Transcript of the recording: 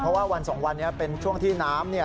เพราะว่าวัน๒วันนี้เป็นช่วงที่น้ำ